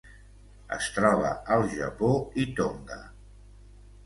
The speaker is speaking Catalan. Es troba al Japó i Tonga.